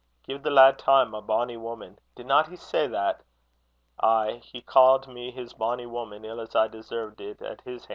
Gie the lad time, my bonny woman!' didna he say that? Ay, he ca'd me his bonny woman, ill as I deserved it at his han'.